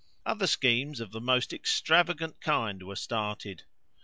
Other schemes, of the most extravagant kind, were started.